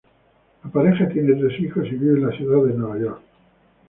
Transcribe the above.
La pareja tiene tres hijos y vive en la ciudad de Nueva York.